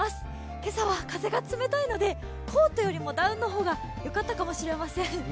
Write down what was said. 今朝は風が冷たいのでコートよりもダウンの方がよかったかもしれません。